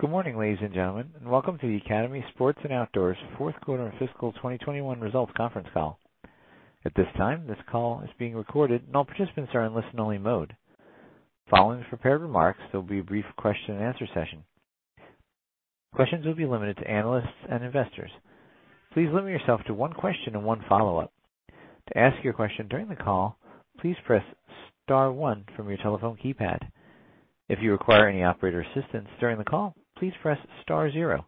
Good morning, ladies and gentlemen. Welcome to the Academy Sports and Outdoors 4th quarter fiscal 2021 results conference call. At this time, this call is being recorded, and all participants are in listen-only mode. Following the prepared remarks, there will be a brief question-and-answer session. Questions will be limited to analysts and investors. Please limit yourself to one question and one follow-up. To ask your question during the call, please press star 1 from your telephone keypad. If you require any operator assistance during the call, please press star 0.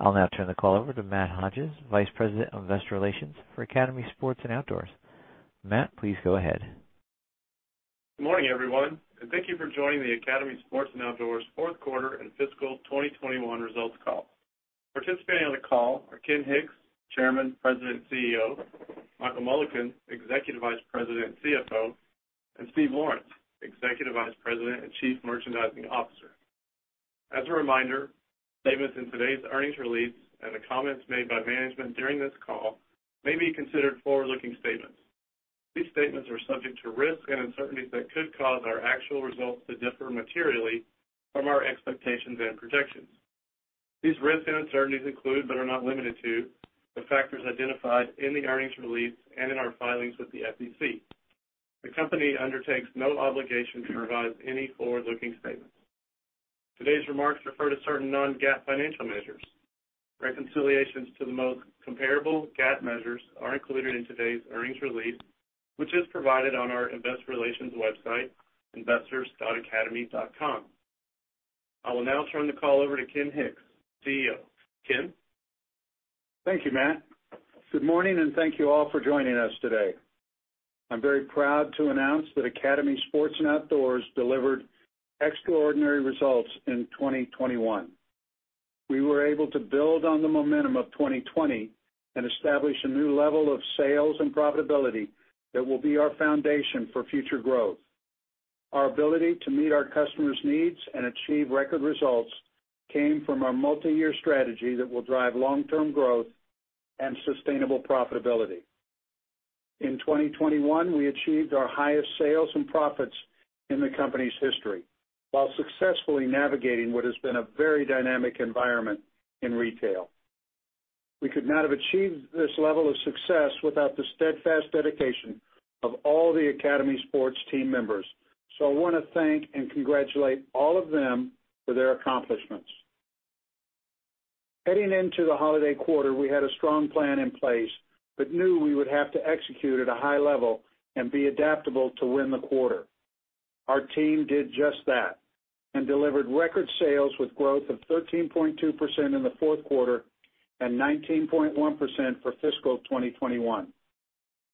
I'll now turn the call over to Matt Hodges, Vice President of Investor Relations for Academy Sports and Outdoors. Matt, please go ahead. Good morning, everyone, and thank you for joining the Academy Sports and Outdoors 4th quarter and fiscal 2021 results call. Participating on the call are Ken C. Hicks, Chairman, President, and CEO, Michael Mullican, Executive Vice President and CFO, and Steve P. Lawrence, Executive Vice President and Chief Merchandising Officer. As a reminder, statements in today's earnings release and the comments made by management during this call may be considered forward-looking statements. These statements are subject to risks and uncertainties that could cause our actual results to differ materially from our expectations and projections. These risks and uncertainties include, but are not limited to, the factors identified in the earnings release and in our filings with the SEC. The company undertakes no obligation to revise any forward-looking statements. Today's remarks refer to certain non-GAAP financial measures. Reconciliations to the most comparable GAAP measures are included in today's earnings release, which is provided on our investor relations website, investors.academy.com. I will now turn the call over to Ken Hicks, CEO. Ken? Thank you, Matt. Good morning, and thank you all for joining us today. I'm very proud to announce that Academy Sports and Outdoors delivered extraordinary results in 2021. We were able to build on the momentum of 2020 and establish a new level of sales and profitability that will be our foundation for future growth. Our ability to meet our customers' needs and achieve record results came from our multi-year strategy that will drive long-term growth and sustainable profitability. In 2021, we achieved our highest sales and profits in the company's history while successfully navigating what has been a very dynamic environment in retail. We could not have achieved this level of success without the steadfast dedication of all the Academy Sports team members, so I wanna thank and congratulate all of them for their accomplishments. Heading into the holiday quarter, we had a strong plan in place but knew we would have to execute at a high level and be adaptable to win the quarter. Our team did just that and delivered record sales with growth of 13.2% in the 4th quarter and 19.1% for fiscal 2021.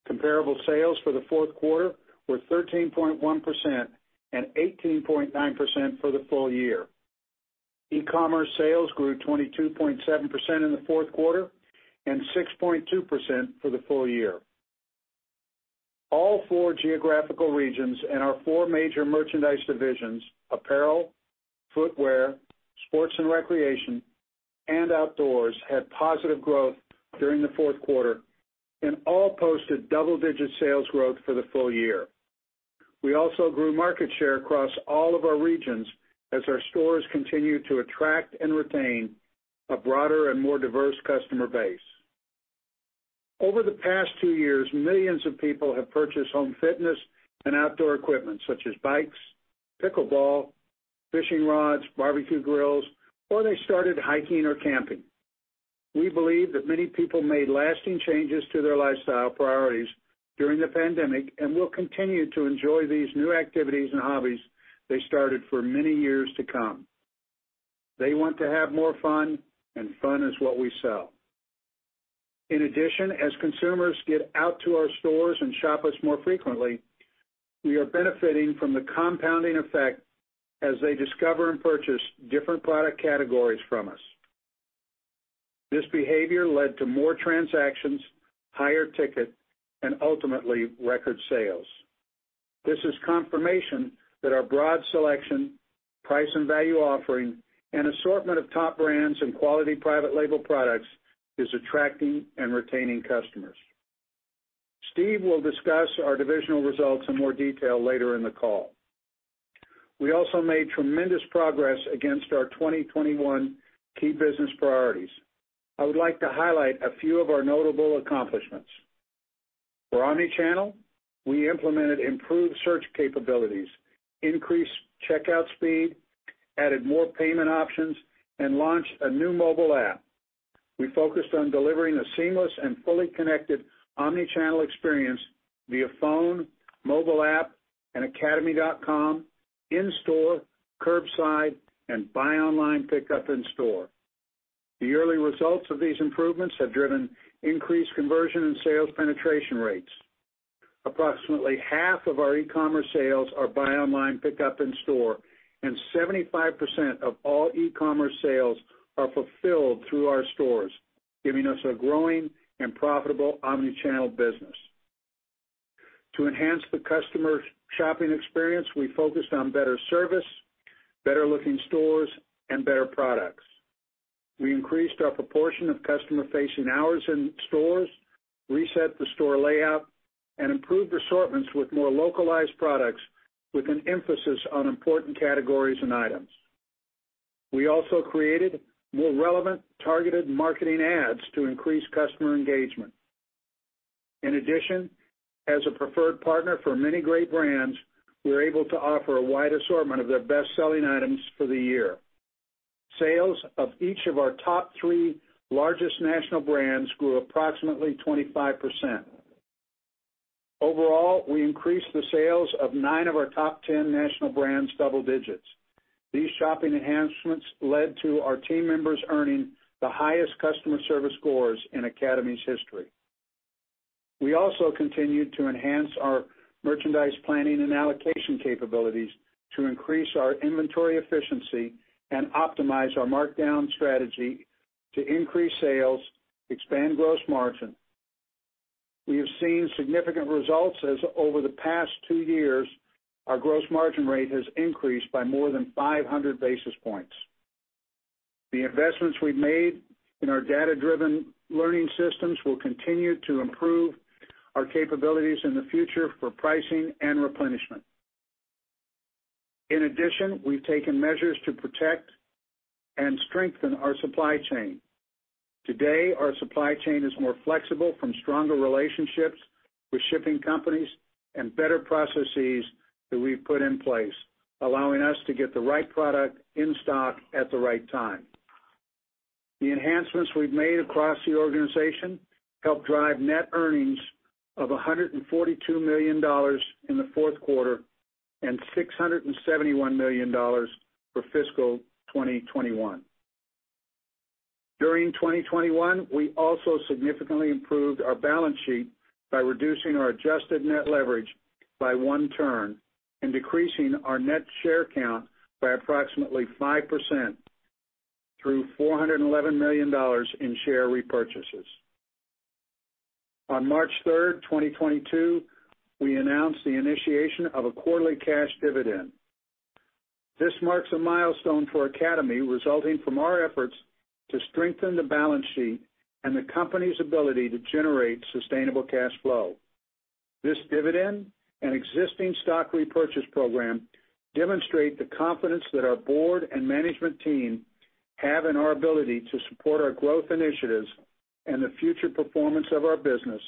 Comparable sales for the 4th quarter were 13.1% and 18.9% for the full year. E-commerce sales grew 22.7% in the 4th quarter and 6.2% for the full year. All four geographical regions and our four major merchandise divisions, apparel, footwear, sports and recreation, and outdoors, had positive growth during the 4th quarter and all posted double-digit sales growth for the full year. We also grew market share across all of our regions as our stores continued to attract and retain a broader and more diverse customer base. Over the past 2 years, millions of people have purchased home fitness and outdoor equipment such as bikes, pickleball, fishing rods, barbecue grills, or they started hiking or camping. We believe that many people made lasting changes to their lifestyle priorities during the pandemic and will continue to enjoy these new activities and hobbies they started for many years to come. They want to have more fun, and fun is what we sell. In addition, as consumers get out to our stores and shop us more frequently, we are benefiting from the compounding effect as they discover and purchase different product categories from us. This behavior led to more transactions, higher ticket, and ultimately, record sales. This is confirmation that our broad selection, price and value offering, and assortment of top brands and quality private label products is attracting and retaining customers. Steve will discuss our divisional results in more detail later in the call. We also made tremendous progress against our 2021 key business priorities. I would like to highlight a few of our notable accomplishments. For omnichannel, we implemented improved search capabilities, increased checkout speed, added more payment options, and launched a new mobile app. We focused on delivering a seamless and fully connected omnichannel experience via phone, mobile app, and academy.com, in store, curbside, and buy online pickup in store. The early results of these improvements have driven increased conversion and sales penetration rates. Approximately half of our e-commerce sales are buy online, pickup in store, and 75% of all e-commerce sales are fulfilled through our stores, giving us a growing and profitable omnichannel business. To enhance the customer shopping experience, we focused on better service, better-looking stores, and better product. We increased our proportion of customer-facing hours in stores, reset the store layout, and improved assortments with more localized products with an emphasis on important categories and items. We also created more relevant targeted marketing ads to increase customer engagement. In addition, as a preferred partner for many great brands, we're able to offer a wide assortment of their best-selling items for the year. Sales of each of our top three largest national brands grew approximately 25%. Overall, we increased the sales of nine of our top 10 national brands double digits. These shopping enhancements led to our team members earning the highest customer service scores in Academy's history. We also continued to enhance our merchandise planning and allocation capabilities to increase our inventory efficiency and optimize our markdown strategy to increase sales, expand gross margin. We have seen significant results as over the past 2 years our gross margin rate has increased by more than 500 basis points. The investments we've made in our data-driven learning systems will continue to improve our capabilities in the future for pricing and replenishment. In addition, we've taken measures to protect and strengthen our supply chain. Today, our supply chain is more flexible from stronger relationships with shipping companies and better processes that we've put in place, allowing us to get the right product in stock at the right time. The enhancements we've made across the organization helped drive net earnings of $142 million in the 4th quarter and $671 million for fiscal 2021. During 2021, we also significantly improved our balance sheet by reducing our adjusted net leverage by 1 turn and decreasing our net share count by approximately 5% through $411 million in share repurchases. On March 3, 2022, we announced the initiation of a quarterly cash dividend. This marks a milestone for Academy, resulting from our efforts to strengthen the balance sheet and the company's ability to generate sustainable cash flow. This dividend and existing stock repurchase program demonstrate the confidence that our board and management team have in our ability to support our growth initiatives and the future performance of our business,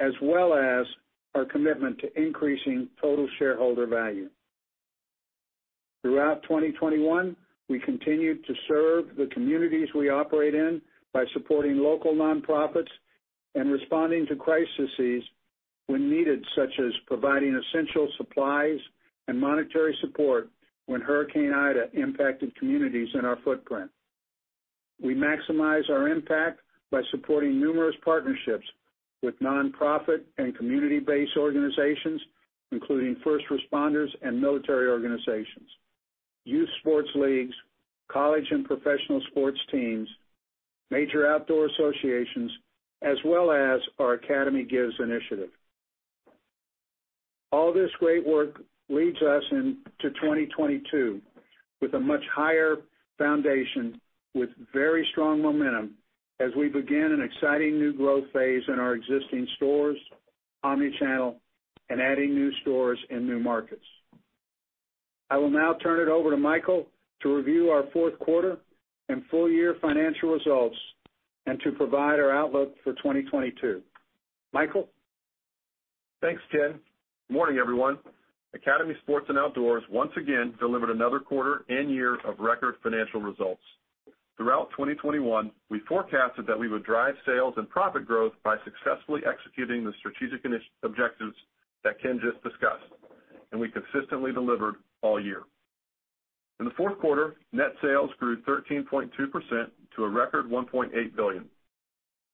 as well as our commitment to increasing total shareholder value. Throughout 2021, we continued to serve the communities we operate in by supporting local nonprofits and responding to crises when needed, such as providing essential supplies and monetary support when Hurricane Ida impacted communities in our footprint. We maximize our impact by supporting numerous partnerships with nonprofit and community-based organizations, including first responders and military organizations, youth sports leagues, college and professional sports teams, major outdoor associations, as well as our Academy Gives initiative. All this great work leads us into 2022 with a much higher foundation with very strong momentum as we begin an exciting new growth phase in our existing stores, omnichannel, and adding new stores in new markets. I will now turn it over to Michael to review our 4th quarter and full year financial results and to provide our outlook for 2022. Michael? Thanks, Ken. Good morning, everyone. Academy Sports and Outdoors once again delivered another quarter and year of record financial results. Throughout 2021, we forecasted that we would drive sales and profit growth by successfully executing the strategic objectives that Ken just discussed, and we consistently delivered all year. In the 4th quarter, net sales grew 13.2% to a record $1.8 billion.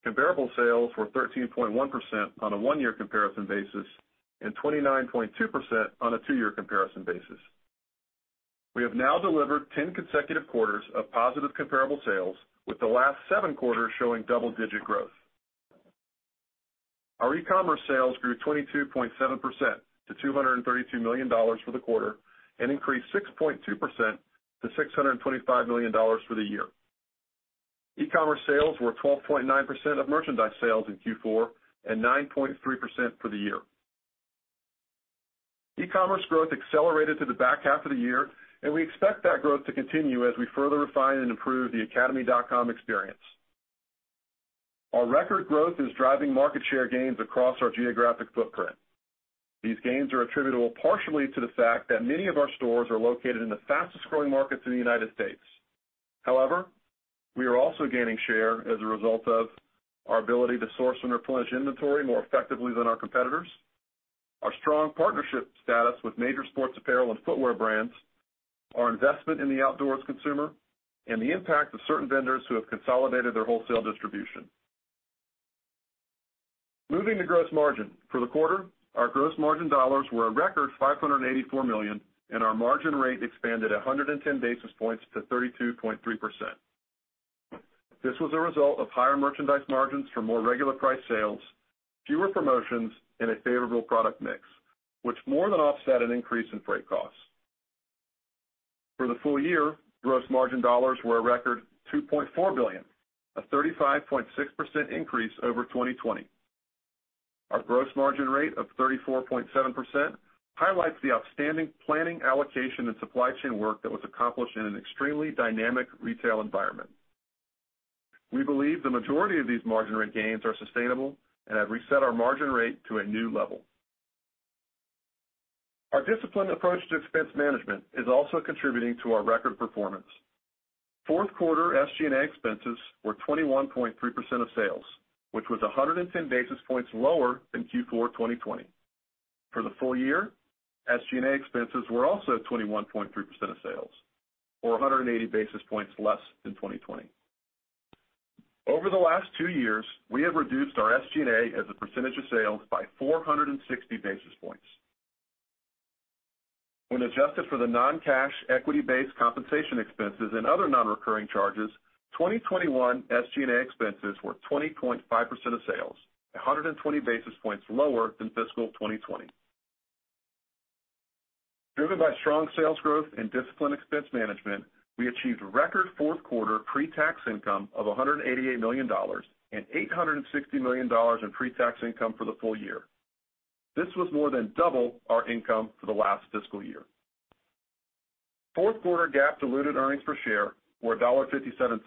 Comparable sales were 13.1% on a one-year comparison basis and 29.2% on a two-year comparison basis. We have now delivered 10 consecutive quarters of positive comparable sales, with the last 7 quarters showing double-digit growth. Our e-commerce sales grew 22.7% to $232 million for the quarter and increased 6.2% to $625 million for the year. E-commerce sales were 12.9% of merchandise sales in Q4 and 9.3% for the year. E-commerce growth accelerated to the back half of the year, and we expect that growth to continue as we further refine and improve the academy.com experience. Our record growth is driving market share gains across our geographic footprint. These gains are attributable partially to the fact that many of our stores are located in the fastest-growing markets in the United States. However, we are also gaining share as a result of our ability to source and replenish inventory more effectively than our competitors, our strong partnership status with major sports apparel and footwear brands, our investment in the outdoors consumer, and the impact of certain vendors who have consolidated their wholesale distribution. Moving to gross margin. For the quarter, our gross margin dollars were a record $584 million, and our margin rate expanded 110 basis points to 32.3%. This was a result of higher merchandise margins for more regular price sales, fewer promotions, and a favorable product mix, which more than offset an increase in freight costs. For the full year, gross margin dollars were a record $2.4 billion, a 35.6% increase over 2020. Our gross margin rate of 34.7% highlights the outstanding planning, allocation and supply chain work that was accomplished in an extremely dynamic retail environment. We believe the majority of these margin rate gains are sustainable and have reset our margin rate to a new level. Our disciplined approach to expense management is also contributing to our record performance. 4th quarter SG&A expenses were 21.3% of sales, which was 110 basis points lower than Q4 2020. For the full year, SG&A expenses were also 21.3% of sales or 180 basis points less than 2020. Over the last 2 years, we have reduced our SG&A as a percentage of sales by 460 basis points. When adjusted for the non-cash equity-based compensation expenses and other non-recurring charges, 2021 SG&A expenses were 20.5% of sales, 120 basis points lower than fiscal 2020. Driven by strong sales growth and disciplined expense management, we achieved record 4th quarter pre-tax income of $188 million and $860 million in pre-tax income for the full year. This was more than double our income for the last fiscal year. 4th quarter GAAP diluted earnings per share were $1.57,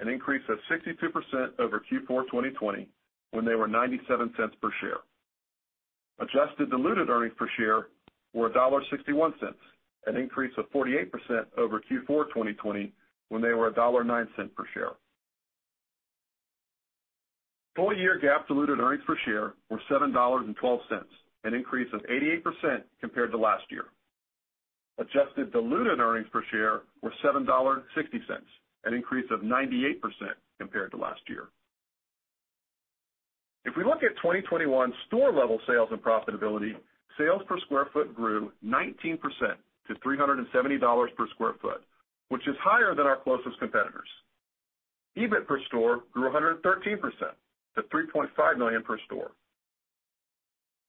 an increase of 62% over Q4 2020 when they were $0.97 per share. Adjusted diluted earnings per share were $1.61, an increase of 48% over Q4 2020 when they were $1.09 per share. Full year GAAP diluted earnings per share were $7.12, an increase of 88% compared to last year. Adjusted diluted earnings per share were $7.60, an increase of 98% compared to last year. If we look at 2021 store level sales and profitability, sales per sq ft grew 19% to $370 per sq ft, which is higher than our closest competitors. EBIT per store grew 113% to $3.5 million per store.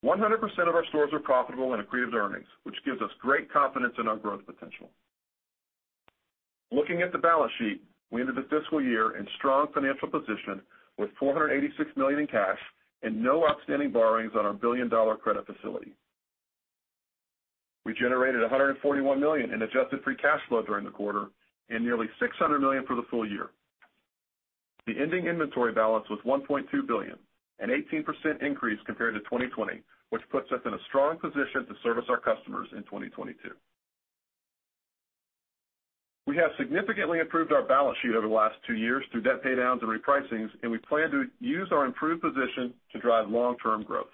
100% of our stores are profitable and accretive earnings, which gives us great confidence in our growth potential. Looking at the balance sheet, we ended the fiscal year in strong financial position with $486 million in cash and no outstanding borrowings on our billion-dollar credit facility. We generated $141 million in adjusted free cash flow during the quarter and nearly $600 million for the full year. The ending inventory balance was $1.2 billion, an 18% increase compared to 2020, which puts us in a strong position to service our customers in 2022. We have significantly improved our balance sheet over the last 2 years through debt pay downs and repricings, and we plan to use our improved position to drive long-term growth.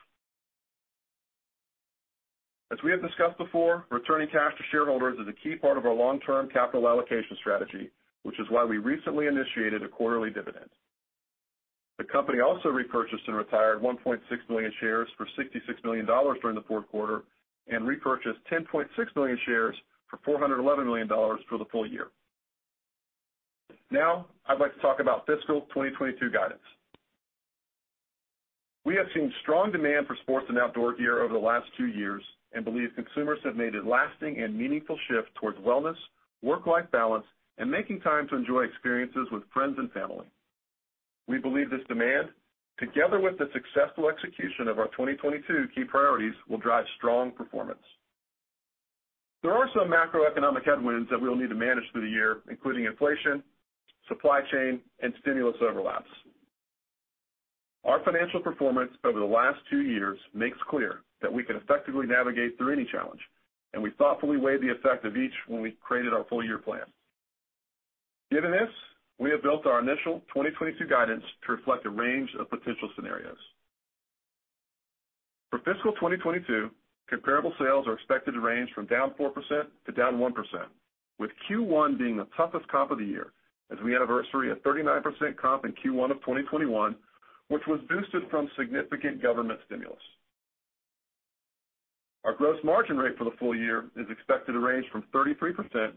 As we have discussed before, returning cash to shareholders is a key part of our long-term capital allocation strategy, which is why we recently initiated a quarterly dividend. The company also repurchased and retired 1.6 million shares for $66 million during the 4th quarter and repurchased 10.6 million shares for $411 million for the full year. Now, I'd like to talk about fiscal 2022 guidance. We have seen strong demand for sports and outdoor gear over the last 2 years and believe consumers have made a lasting and meaningful shift towards wellness, work-life balance, and making time to enjoy experiences with friends and family. We believe this demand, together with the successful execution of our 2022 key priorities, will drive strong performance. There are some macroeconomic headwinds that we'll need to manage through the year, including inflation, supply chain, and stimulus overlaps. Our financial performance over the last 2 years makes clear that we can effectively navigate through any challenge, and we thoughtfully weigh the effect of each when we created our full year plan. Given this, we have built our initial 2022 guidance to reflect a range of potential scenarios. For fiscal 2022, comparable sales are expected to range from down 4% to down 1%, with Q1 being the toughest comp of the year as we anniversary a 39% comp in Q1 of 2021, which was boosted from significant government stimulus. Our gross margin rate for the full year is expected to range from 33%-33.5%.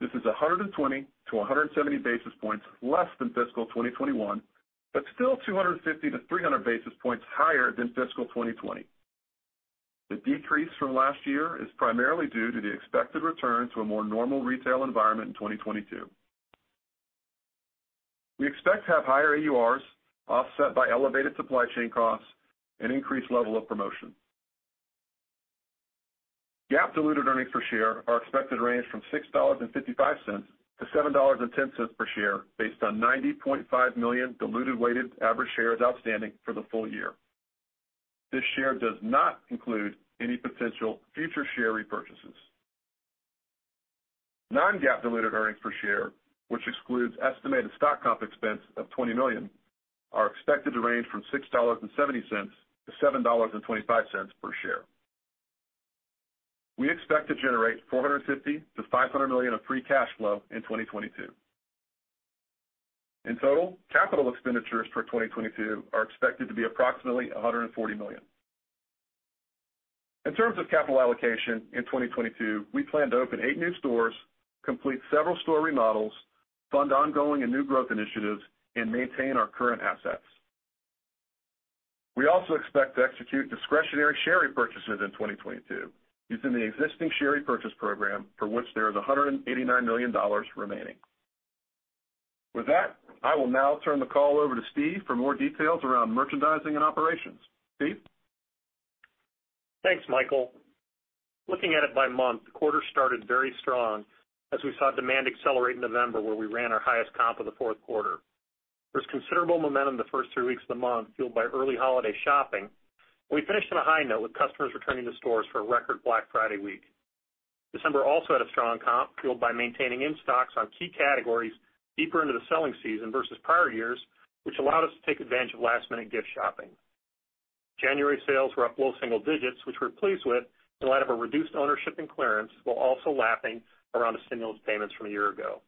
This is 120-170 basis points less than fiscal 2021, but still 250-300 basis points higher than fiscal 2020. The decrease from last year is primarily due to the expected return to a more normal retail environment in 2022. We expect to have higher AURs offset by elevated supply chain costs and increased level of promotion. GAAP diluted earnings per share are expected to range from $6.55-$7.10 per share based on 90.5 million diluted weighted average shares outstanding for the full year. This share does not include any potential future share repurchases. Non-GAAP diluted earnings per share, which excludes estimated stock comp expense of $20 million, are expected to range from $6.70 to $7.25 per share. We expect to generate $450 million-$500 million of free cash flow in 2022. In total, capital expenditures for 2022 are expected to be approximately $140 million. In terms of capital allocation, in 2022, we plan to open eight new stores, complete several store remodels, fund ongoing and new growth initiatives, and maintain our current assets. We also expect to execute discretionary share repurchases in 2022 using the existing share repurchase program for which there is $189 million remaining. With that, I will now turn the call over to Steve for more details around merchandising and operations. Steve? Thanks, Michael. Looking at it by month, the quarter started very strong as we saw demand accelerate in November where we ran our highest comp of the 4th quarter. There was considerable momentum the first three weeks of the month fueled by early holiday shopping. We finished on a high note with customers returning to stores for a record Black Friday week. December also had a strong comp fueled by maintaining in-stocks on key categories deeper into the selling season versus prior years, which allowed us to take advantage of last-minute gift shopping. January sales were up low single digits, which we're pleased with in light of a reduced ownership in clearance, while also lapping around the stimulus payments from a year ago.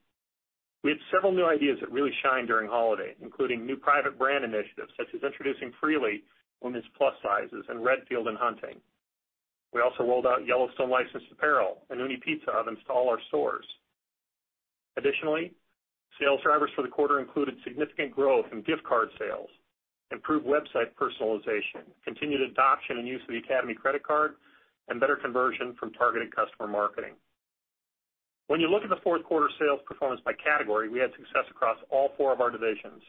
We had several new ideas that really shined during holiday, including new private brand initiatives such as introducing Freely women's plus sizes and Redfield in hunting. We also rolled out Yellowstone licensed apparel and Ooni pizza ovens to all our stores. Additionally, sales drivers for the quarter included significant growth in gift card sales, improved website personalization, continued adoption and use of the Academy Credit Card, and better conversion from targeted customer marketing. When you look at the 4th quarter sales performance by category, we had success across all four of our divisions.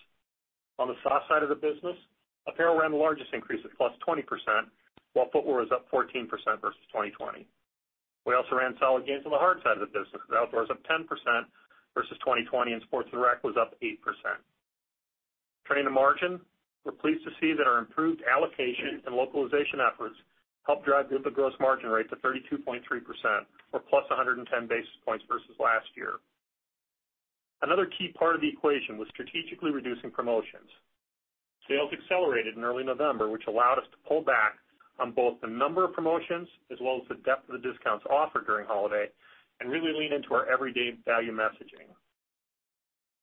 On the soft side of the business, apparel ran the largest increase of +20%, while footwear was up 14% versus 2020. We also ran solid gains on the hard side of the business. Outdoors up 10% versus 2020, and sports and rec was up 8%. Turning to margin, we're pleased to see that our improved allocation and localization efforts helped drive gross margin rate to 32.3% or +110 basis points versus last year. Another key part of the equation was strategically reducing promotions. Sales accelerated in early November, which allowed us to pull back on both the number of promotions as well as the depth of the discounts offered during holiday and really lean into our everyday value messaging.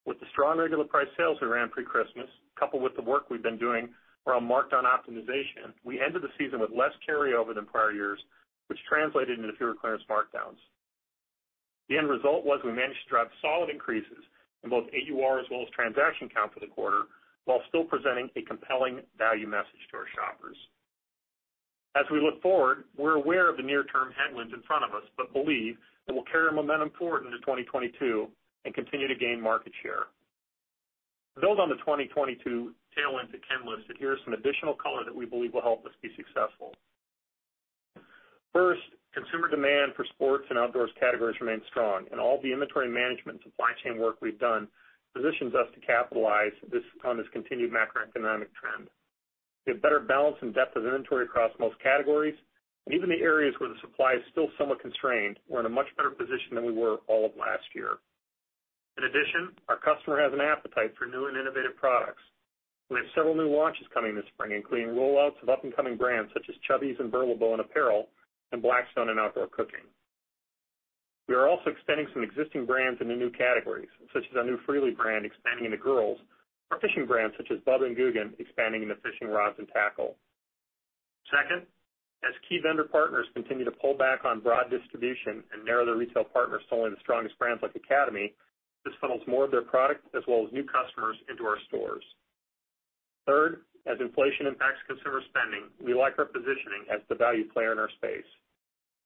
With the strong regular price sales we ran pre-Christmas, coupled with the work we've been doing around markdown optimization, we ended the season with less carryover than prior years, which translated into fewer clearance markdowns. The end result was we managed to drive solid increases in both AUR as well as transaction count for the quarter, while still presenting a compelling value message to our shoppers. As we look forward, we're aware of the near-term headwinds in front of us but believe that we'll carry our momentum forward into 2022 and continue to gain market share. To build on the 2022 tailwinds that Ken listed, here are some additional color that we believe will help us be successful. First, consumer demand for sports and outdoors categories remains strong, and all the inventory management and supply chain work we've done positions us to capitalize on this continued macroeconomic trend. We have better balance and depth of inventory across most categories, and even the areas where the supply is still somewhat constrained, we're in a much better position than we were all of last year. In addition, our customer has an appetite for new and innovative products. We have several new launches coming this spring, including rollouts of up-and-coming brands such as Chubbies and BURLEBO in apparel and Blackstone in outdoor cooking. We are also extending some existing brands into new categories, such as our new Freely brand expanding into girls, our fishing brands such as Bubba and Googan expanding into fishing rods and tackle. Second, as key vendor partners continue to pull back on broad distribution and narrow their retail partners to only the strongest brands like Academy, this funnels more of their product as well as new customers into our stores. Third, as inflation impacts consumer spending, we like our positioning as the value player in our space.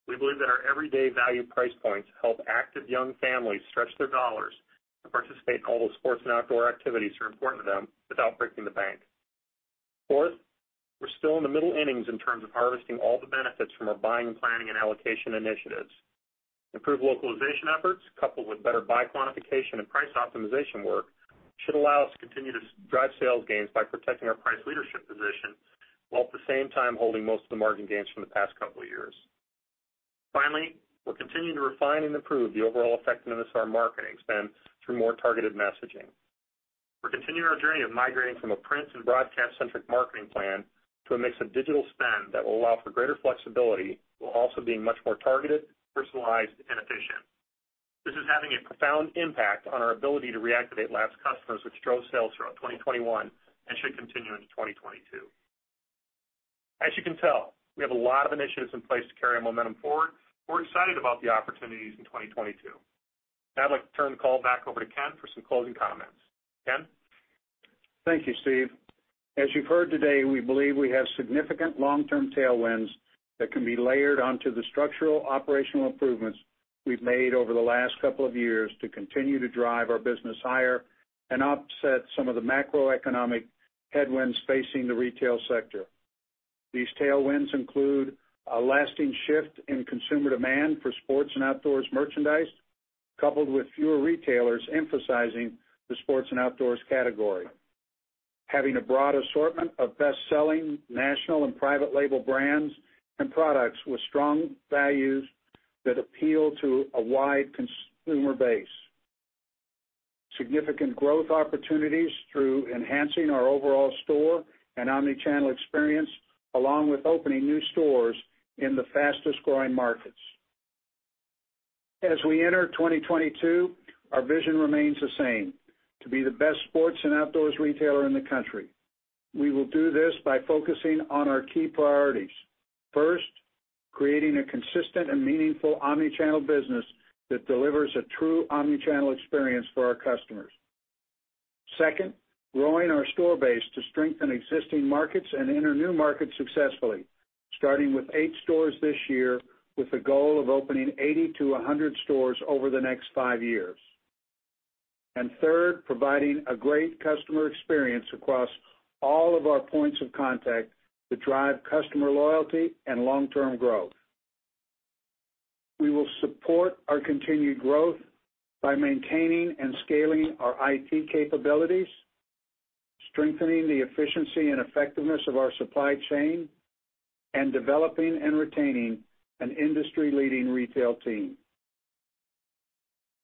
We believe that our everyday value price points help active young families stretch their dollars to participate in all those sports and outdoor activities that are important to them without breaking the bank. Fourth, we're still in the middle innings in terms of harvesting all the benefits from our buying, planning, and allocation initiatives. Improved localization efforts coupled with better buy quantification and price optimization work should allow us to continue to drive sales gains by protecting our price leadership position, while at the same time holding most of the margin gains from the past couple of years. Finally, we're continuing to refine and improve the overall effectiveness of our marketing spend through more targeted messaging. We're continuing our journey of migrating from a print and broadcast-centric marketing plan to a mix of digital spend that will allow for greater flexibility while also being much more targeted, personalized, and efficient. This is having a profound impact on our ability to reactivate lapsed customers, which drove sales throughout 2021 and should continue into 2022. As you can tell, we have a lot of initiatives in place to carry our momentum forward. We're excited about the opportunities in 2022. Now I'd like to turn the call back over to Ken for some closing comments. Ken? Thank you, Steve. As you've heard today, we believe we have significant long-term tailwinds that can be layered onto the structural operational improvements we've made over the last couple of years to continue to drive our business higher and offset some of the macroeconomic headwinds facing the retail sector. These tailwinds include a lasting shift in consumer demand for sports and outdoors merchandise, coupled with fewer retailers emphasizing the sports and outdoors category, having a broad assortment of best-selling national and private label brands and products with strong values that appeal to a wide consumer base, significant growth opportunities through enhancing our overall store and omnichannel experience, along with opening new stores in the fastest growing markets. As we enter 2022, our vision remains the same, to be the best sports and outdoors retailer in the country. We will do this by focusing on our key priorities. First, creating a consistent and meaningful omni-channel business that delivers a true omni-channel experience for our customers. Second, growing our store base to strengthen existing markets and enter new markets successfully, starting with 8 stores this year, with the goal of opening 80-100 stores over the next 5 years. Third, providing a great customer experience across all of our points of contact to drive customer loyalty and long-term growth. We will support our continued growth by maintaining and scaling our IT capabilities, strengthening the efficiency and effectiveness of our supply chain, and developing and retaining an industry-leading retail team.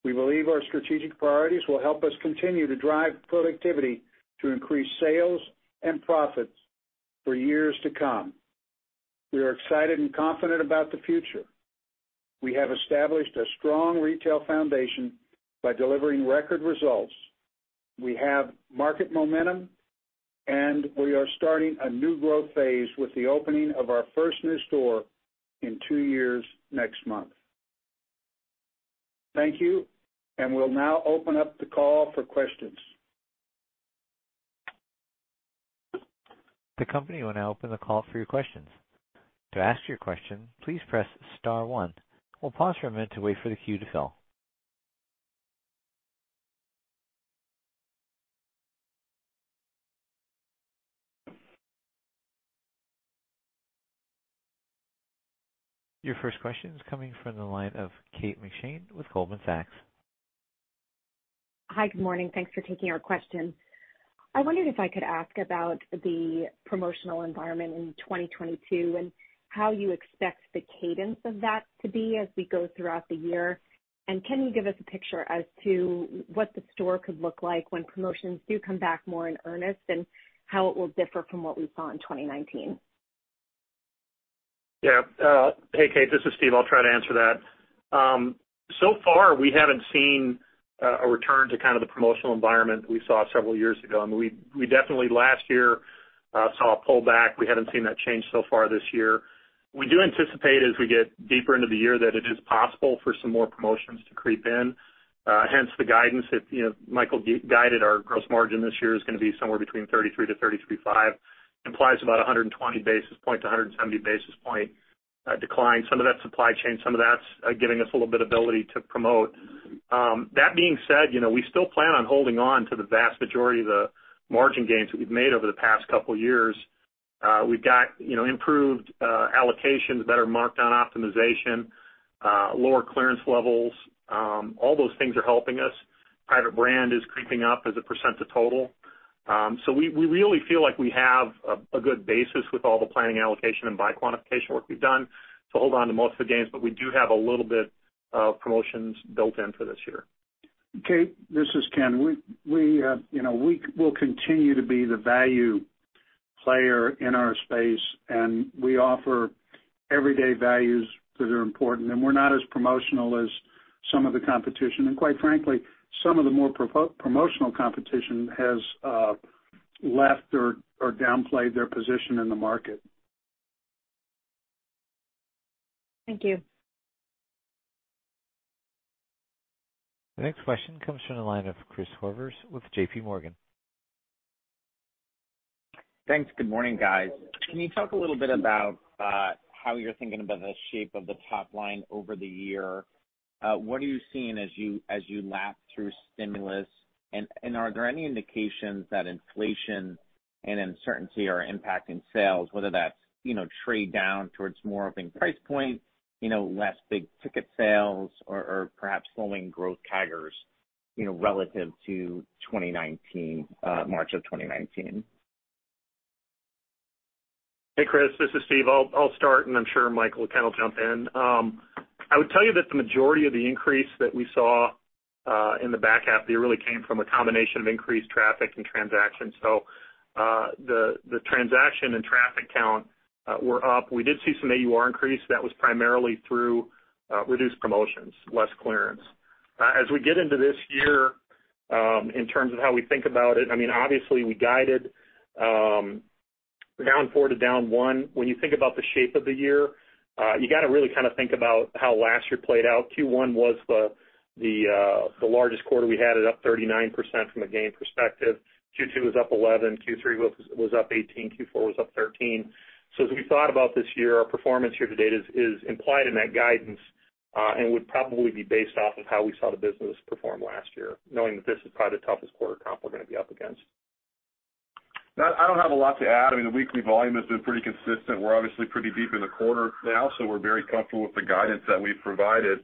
We believe our strategic priorities will help us continue to drive productivity to increase sales and profits for years to come. We are excited and confident about the future. We have established a strong retail foundation by delivering record results. We have market momentum, and we are starting a new growth phase with the opening of our first new store in 2 years next month. Thank you, and we'll now open up the call for questions. The company will now open the call for your questions. To ask your question, please press star 1. We'll pause for a minute to wait for the queue to fill. Your first question is coming from the line of Kate McShane with Goldman Sachs. Hi. Good morning. Thanks for taking our question. I wondered if I could ask about the promotional environment in 2022 and how you expect the cadence of that to be as we go throughout the year. Can you give us a picture as to what the store could look like when promotions do come back more in earnest and how it will differ from what we saw in 2019? Yeah. Hey, Kate, this is Steve. I'll try to answer that. So far, we haven't seen a return to kind of the promotional environment we saw several years ago. I mean, we definitely last year saw a pullback. We haven't seen that change so far this year. We do anticipate as we get deeper into the year that it is possible for some more promotions to creep in. Hence the guidance that, you know, Michael guided our gross margin this year is gonna be somewhere between 33%-33.5%, implies about 120-170 basis points decline. Some of that's supply chain, some of that's giving us a little bit ability to promote. That being said, you know, we still plan on holding on to the vast majority of the margin gains that we've made over the past couple years. We've got, you know, improved allocations, better markdown optimization, lower clearance levels. All those things are helping us. Private brand is creeping up as a percent of total. We really feel like we have a good basis with all the planning allocation and buy quantification work we've done to hold on to most of the gains, but we do have a little bit of promotions built in for this year. Kate, this is Ken. You know, we will continue to be the value player in our space, and we offer everyday values that are important. We're not as promotional as some of the competition. Quite frankly, some of the more promotional competition has left or downplayed their position in the market. Thank you. The next question comes from the line of Christopher Horvers with JPMorgan. Thanks. Good morning, guys. Can you talk a little bit about how you're thinking about the shape of the top line over the year? What are you seeing as you lap through stimulus? And are there any indications that inflation and uncertainty are impacting sales, whether that's, you know, trade down towards more open price points, you know, less big ticket sales or perhaps slowing growth CAGRs, you know, relative to 2019, March of 2019? Hey, Chris, this is Steve. I'll start, and I'm sure Michael will kinda jump in. I would tell you that the majority of the increase that we saw in the back half of the year really came from a combination of increased traffic and transactions. The transaction and traffic count were up. We did see some AUR increase that was primarily through reduced promotions, less clearance. As we get into this year, in terms of how we think about it, I mean, obviously, we guided down 4% to down 1%. When you think about the shape of the year, you gotta really kinda think about how last year played out. Q1 was the largest quarter we had at up 39% from a gain perspective. Q2 was up 11%, Q3 was up 18%, Q4 was up 13%. As we thought about this year, our performance here to date is implied in that guidance, and would probably be based off of how we saw the business perform last year, knowing that this is probably the toughest quarter comp we're gonna be up against. I don't have a lot to add. I mean, the weekly volume has been pretty consistent. We're obviously pretty deep in the quarter now, so we're very comfortable with the guidance that we've provided.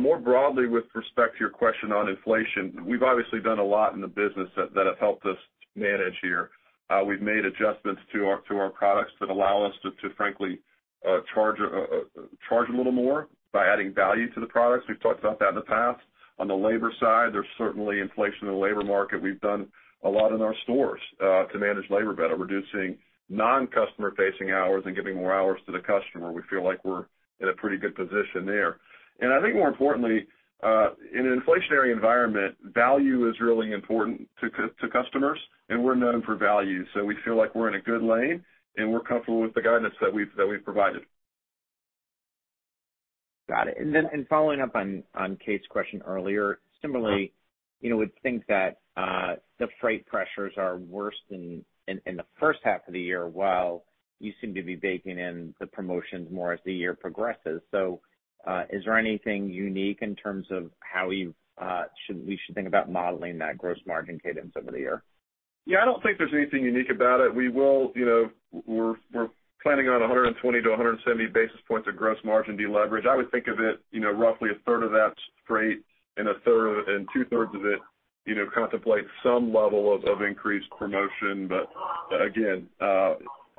More broadly, with respect to your question on inflation, we've obviously done a lot in the business that have helped us manage here. We've made adjustments to our products that allow us to frankly charge a little more by adding value to the products. We've talked about that in the past. On the labor side, there's certainly inflation in the labor market. We've done a lot in our stores to manage labor better, reducing non-customer facing hours and giving more hours to the customer. We feel like we're in a pretty good position there. I think more importantly, in an inflationary environment, value is really important to customers, and we're known for value. We feel like we're in a good lane, and we're comfortable with the guidance that we've provided. Got it. Following up on Kate's question earlier, similarly, you know, would think that the freight pressures are worse than in the first half of the year, while you seem to be baking in the promotions more as the year progresses. Is there anything unique in terms of how we should think about modeling that gross margin cadence over the year? Yeah, I don't think there's anything unique about it. We will, you know, we're planning on 120-170 basis points of gross margin deleverage. I would think of it, you know, roughly a third of that's freight and a third and two-thirds of it, you know, contemplates some level of increased promotion. Again,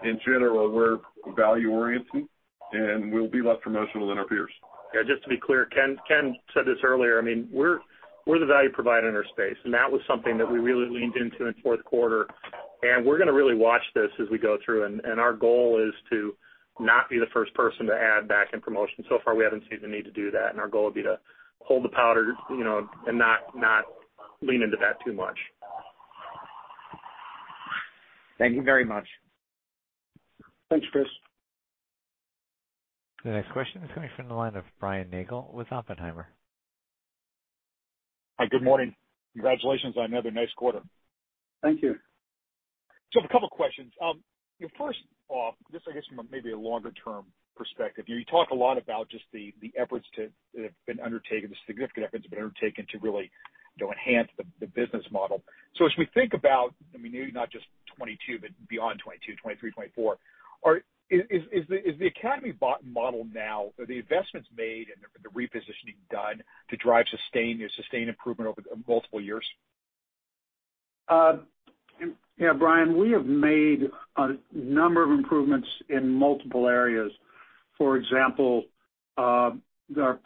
in general, we're value-oriented, and we'll be less promotional than our peers. Yeah, just to be clear, Ken said this earlier, I mean, we're the value provider in our space, and that was something that we really leaned into in 4th quarter. We're gonna really watch this as we go through. Our goal is to not be the first person to add back in promotion. So far, we haven't seen the need to do that, and our goal would be to hold the powder, you know, and not lean into that too much. Thank you very much. Thanks, Chris. The next question is coming from the line of Brian Nagel with Oppenheimer. Hi, good morning. Congratulations on another nice quarter. Thank you. A couple questions. First off, this I guess from maybe a longer-term perspective. You talk a lot about just the efforts that have been undertaken, the significant efforts that have been undertaken to really, you know, enhance the business model. As we think about, I mean, maybe not just 2022, but beyond 2022, 2023, 2024, is the Academy business model now, are the investments made and the repositioning done to drive a sustained improvement over the multiple years? Yeah, Brian, we have made a number of improvements in multiple areas. For example, our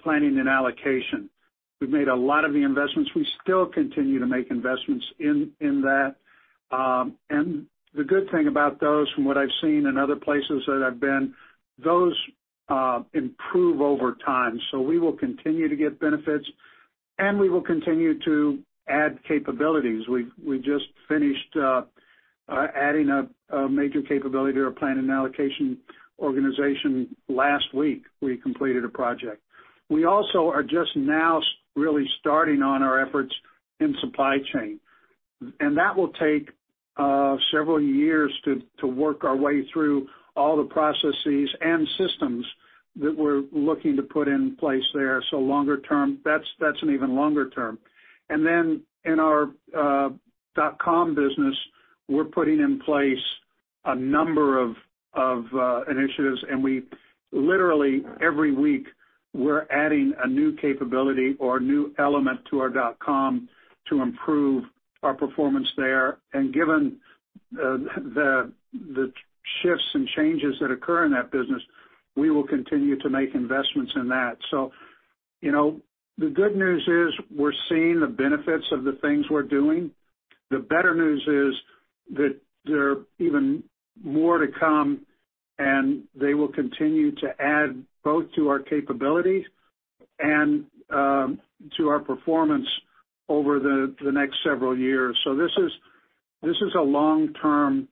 planning and allocation. We've made a lot of the investments. We still continue to make investments in that. The good thing about those from what I've seen in other places that I've been, those improve over time. We will continue to get benefits, and we will continue to add capabilities. We just finished adding a major capability to our planning and allocation organization last week. We completed a project. We also are just now really starting on our efforts in supply chain, and that will take several years to work our way through all the processes and systems that we're looking to put in place there. Longer term, that's an even longer term. In our dot-com business, we're putting in place a number of initiatives, and we literally every week, we're adding a new capability or a new element to our dot-com to improve our performance there. Given the shifts and changes that occur in that business, we will continue to make investments in that. You know, the good news is we're seeing the benefits of the things we're doing. The better news is that there are even more to come, and they will continue to add both to our capabilities and to our performance over the next several years. This is a long-term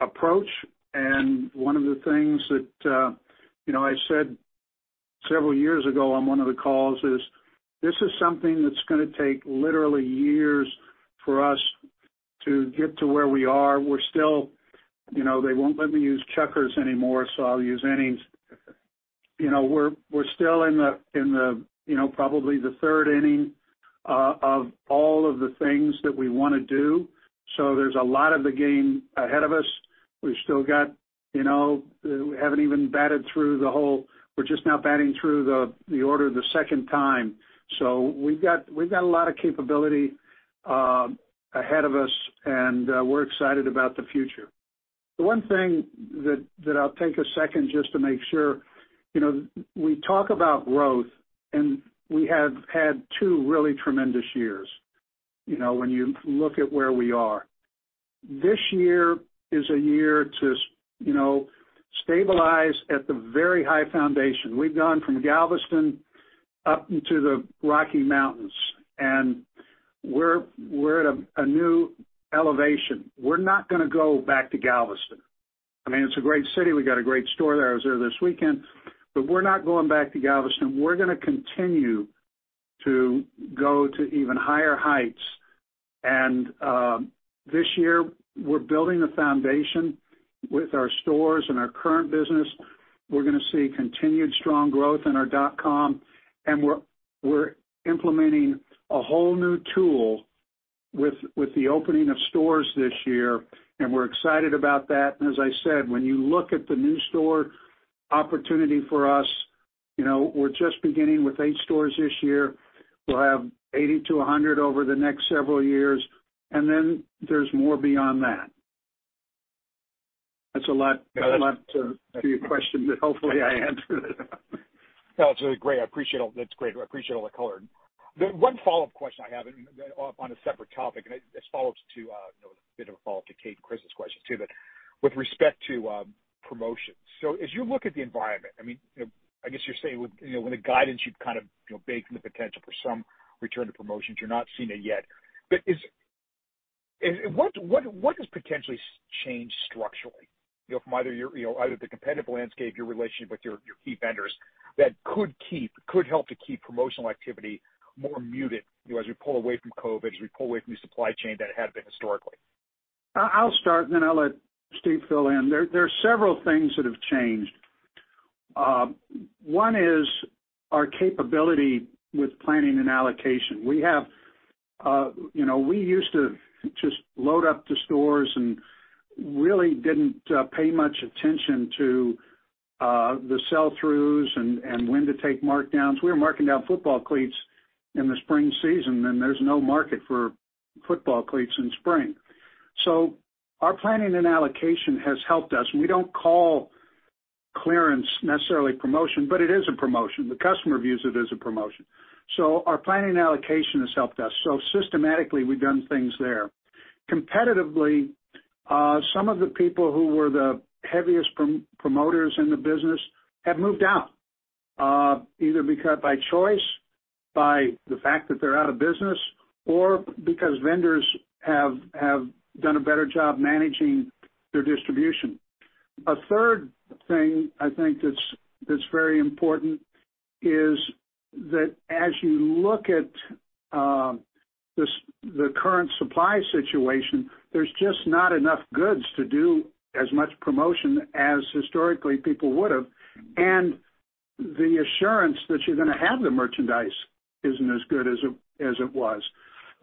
approach. One of the things that, you know, I said several years ago on one of the calls is this is something that's gonna take literally years for us to get to where we are. We're still, you know, they won't let me use checkers anymore, so I'll use innings. You know, we're still in the, you know, probably the third inning of all of the things that we wanna do. So there's a lot of the game ahead of us. We've still got, you know, we're just now batting through the order the second time. So we've got a lot of capability ahead of us, and we're excited about the future. The one thing that I'll take a second just to make sure, you know, we talk about growth, and we have had 2 really tremendous years, you know, when you look at where we are. This year is a year to, you know, stabilize at the very high foundation. We've gone from Galveston up into the Rocky Mountains, and we're at a new elevation. We're not gonna go back to Galveston. I mean, it's a great city. We got a great store there. I was there this weekend, but we're not going back to Galveston. We're gonna continue to go to even higher heights. This year we're building the foundation with our stores and our current business. We're gonna see continued strong growth in our dot-com, and we're implementing a whole new tool with the opening of stores this year, and we're excited about that. As I said, when you look at the new store opportunity for us, you know, we're just beginning with 8 stores this year. We'll have 80-100 over the next several years, and then there's more beyond that. That's a lot to your question, but hopefully I answered it. No, it's great. That's great. I appreciate all the color. The one follow-up question I have, and on a separate topic, and bit of a follow-up to Kate and Chris's questions too, but with respect to promotions. As you look at the environment, I mean, you know, I guess you're saying with, you know, with the guidance, you'd kind of, you know, bake in the potential for some return to promotions. You're not seeing it yet. But is- What has potentially changed structurally? You know, from either the competitive landscape, your relationship with your key vendors that could help to keep promotional activity more muted, you know, as we pull away from COVID, as we pull away from the supply chain that it had been historically. I'll start and then I'll let Steve fill in. There are several things that have changed. One is our capability with planning and allocation. We have, you know, we used to just load up the stores and really didn't pay much attention to the sell-throughs and when to take markdowns. We were marking down football cleats in the spring season, and there's no market for football cleats in spring. Our planning and allocation has helped us. We don't call clearance necessarily promotion, but it is a promotion. The customer views it as a promotion. Our planning and allocation has helped us. Systematically, we've done things there. Competitively, some of the people who were the heaviest promoters in the business have moved out, either because by choice, by the fact that they're out of business, or because vendors have done a better job managing their distribution. A third thing I think that's very important is that as you look at the current supply situation, there's just not enough goods to do as much promotion as historically people would have. The assurance that you're gonna have the merchandise isn't as good as it was.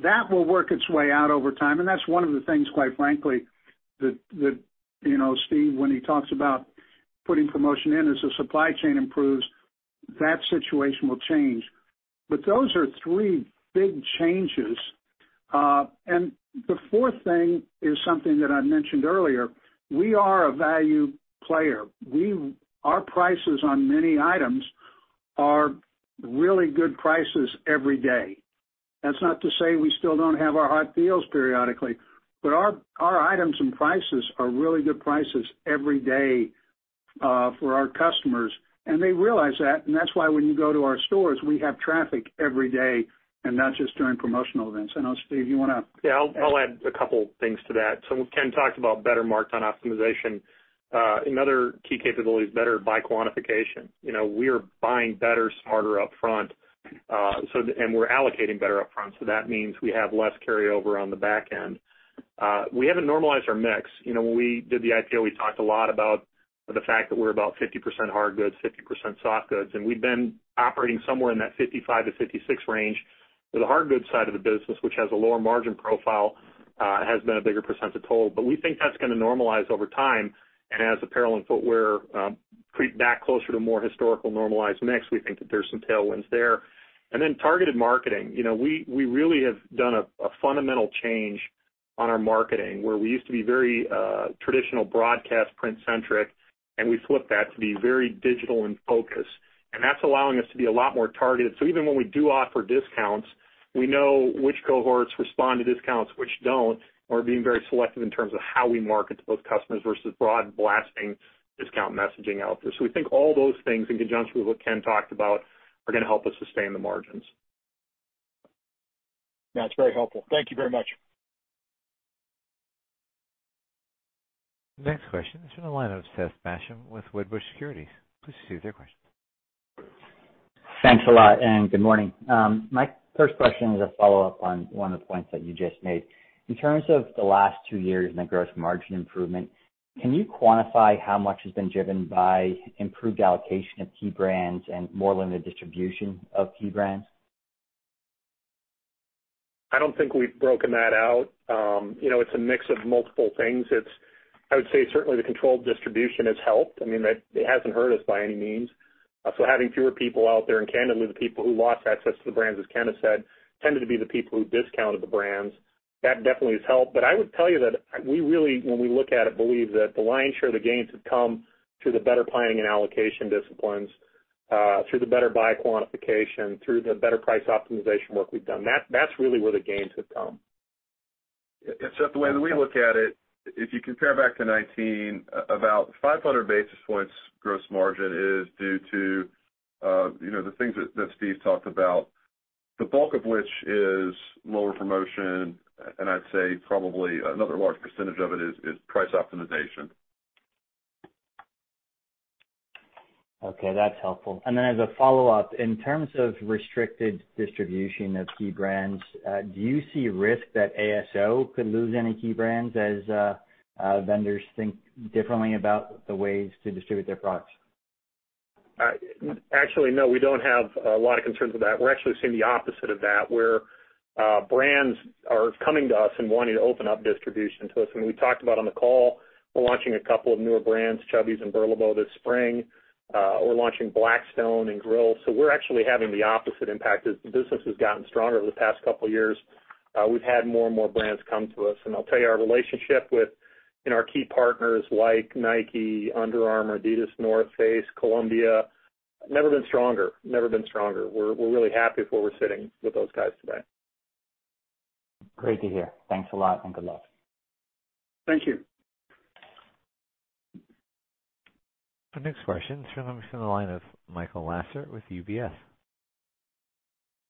That will work its way out over time, and that's one of the things, quite frankly, that you know, Steve, when he talks about putting promotion in, as the supply chain improves, that situation will change. Those are three big changes. The fourth thing is something that I mentioned earlier. We are a value player. Our prices on many items are really good prices every day. That's not to say we still don't have our hot deals periodically, but our items and prices are really good prices every day for our customers, and they realize that. That's why when you go to our stores, we have traffic every day and not just during promotional events. I don't know, Steve, you wanna- Yeah, I'll add a couple things to that. Ken talked about better markdown optimization. Another key capability is better buy quantification. You know, we are buying better, smarter upfront, and we're allocating better upfront, so that means we have less carryover on the back end. We haven't normalized our mix. You know, when we did the IPO, we talked a lot about the fact that we're about 50% hard goods, 50% soft goods, and we've been operating somewhere in that 55%-56% range. The hard goods side of the business, which has a lower margin profile, has been a bigger percentage total. We think that's gonna normalize over time. As apparel and footwear creep back closer to more historical normalized mix, we think that there's some tailwinds there. Then targeted marketing. You know, we really have done a fundamental change on our marketing, where we used to be very, traditional broadcast, print centric, and we flipped that to be very digital and focused. That's allowing us to be a lot more targeted. Even when we do offer discounts, we know which cohorts respond to discounts, which don't, and we're being very selective in terms of how we market to those customers versus broad blasting discount messaging out there. We think all those things in conjunction with what Ken talked about are gonna help us sustain the margins. Yeah, it's very helpful. Thank you very much. Next question is from the line of Seth Basham with Wedbush Securities. Please proceed with your question. Thanks a lot, and good morning. My first question is a follow-up on one of the points that you just made. In terms of the last 2 years and the gross margin improvement, can you quantify how much has been driven by improved allocation of key brands and more limited distribution of key brands? I don't think we've broken that out. You know, it's a mix of multiple things. I would say certainly the controlled distribution has helped. I mean, it hasn't hurt us by any means. Having fewer people out there, and candidly, the people who lost access to the brands, as Ken has said, tended to be the people who discounted the brands. That definitely has helped. I would tell you that we really, when we look at it, believe that the lion's share of the gains have come through the better planning and allocation disciplines, through the better buy quantification, through the better price optimization work we've done. That's really where the gains have come. Seth, the way we look at it, if you compare back to 2019, about 500 basis points gross margin is due to, you know, the things that Steve talked about, the bulk of which is lower promotion, and I'd say probably another large percentage of it is price optimization. Okay, that's helpful. As a follow-up, in terms of restricted distribution of key brands, do you see risk that ASO could lose any key brands as vendors think differently about the ways to distribute their products? Actually, no. We don't have a lot of concerns with that. We're actually seeing the opposite of that, where brands are coming to us and wanting to open up distribution to us. I mean, we talked about on the call, we're launching a couple of newer brands, Chubbies and BURLEBO this spring. We're launching Blackstone and Grill. We're actually having the opposite impact as the business has gotten stronger over the past couple of years. We've had more and more brands come to us. I'll tell you, our relationship with, you know, our key partners like Nike, Under Armour, Adidas, The North Face, Columbia, never been stronger. Never been stronger. We're really happy with where we're sitting with those guys today. Great to hear. Thanks a lot, and good luck. Thank you. Our next question is from the line of Michael Lasser with UBS.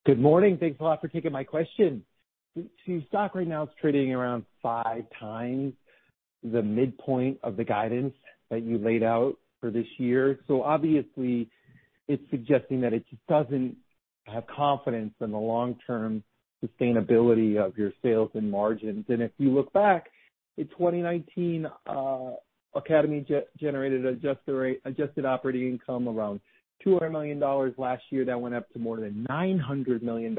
Good morning. Thanks a lot for taking my question. To the stock right now, it's trading around 5x the midpoint of the guidance that you laid out for this year. Obviously it's suggesting that it just doesn't have confidence in the long-term sustainability of your sales and margins. If you look back, in 2019, Academy generated adjusted operating income around $200 million. Last year, that went up to more than $900 million.